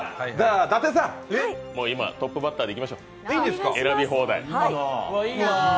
伊達さん、トップバッターでいきましょう、もらい放題。